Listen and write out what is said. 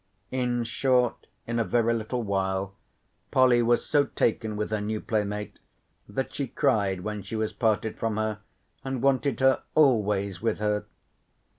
In short, in a very little while, Polly was so taken with her new playmate that she cried when she was parted from her and wanted her always with her.